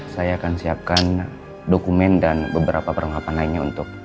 saya akan siapkan dokumen dan beberapa perlengkapan lainnya untuk